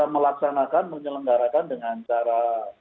melaksanakan menyelenggarakan dengan cara